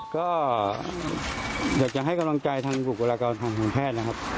ก็อยากจะให้กำลังใจทางบุคลากรทางการแพทย์นะครับ